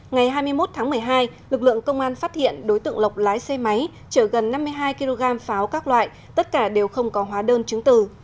ngày hai mươi một tháng một mươi hai lực lượng công an phát hiện đối tượng lộc lái xe máy chở gần năm mươi hai kg pháo các loại tất cả đều không có hóa đơn chứng từ